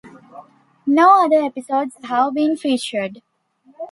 No other episodes have been featured.